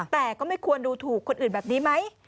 แต่ก็ไม่ควรดูถูกคนอื่นแบบนี้ไหม